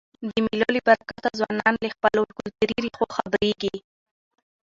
د مېلو له برکته ځوانان له خپلو کلتوري ریښو خبريږي.